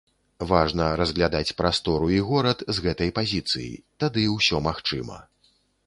Важна разглядаць прастору і горад з гэтай пазіцыі, тады ўсё магчыма.